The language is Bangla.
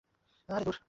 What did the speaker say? দাঁড়াও, ও আসবে।